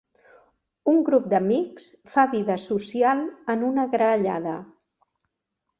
Un grup d'amics fa vida social en una graellada.